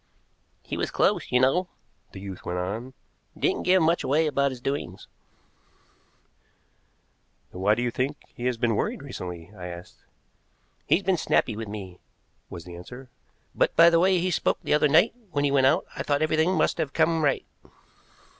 "He was close, you know," the youth went on; "didn't give much away about his doings." "Then why do you think he has been worried recently?" I asked. "He's been snappy with me," was the answer; "but by the way he spoke the other night when he went out I thought everything must have come right."